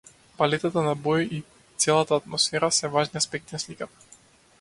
Палетата на бои и целата атмосфера се важни аспекти на сликата.